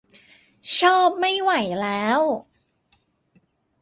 ชอบไม่ไหวแล้ว !